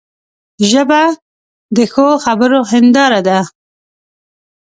ژبه د ښو خبرو هنداره ده